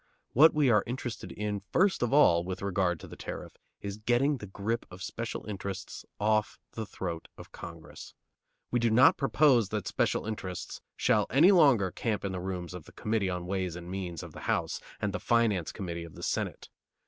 What we are interested in first of all with regard to the tariff is getting the grip of special interests off the throat of Congress. We do not propose that special interests shall any longer camp in the rooms of the Committee on Ways and Means of the House and the Finance Committee of the Senate.